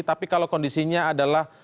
tapi kalau kondisinya adalah